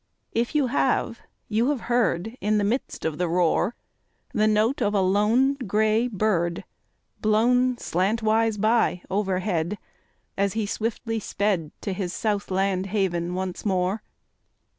If you have, you have heard In the midst of the roar, The note of a lone gray bird, Blown slantwise by overhead As he swiftly sped To his south land haven once more